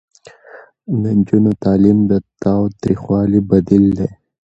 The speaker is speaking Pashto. د نجونو تعلیم د تاوتریخوالي بدیل دی.